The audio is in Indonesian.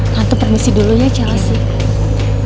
tante permisi dulu ya chelsea